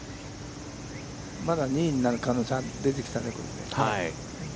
まだ２位になる可能性が出てきたね。